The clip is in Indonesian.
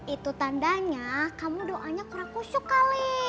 itu tandanya kamu doanya kurang kusyuk kali